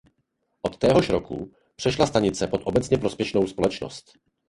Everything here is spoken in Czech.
Od téhož roku přešla stanice pod obecně prospěšnou společnost.